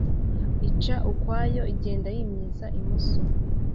ica ukwayo igenda yimyiza imoso